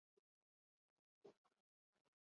তিনি দলের অধিনায়কের দায়িত্ব পালন করেছিলেন।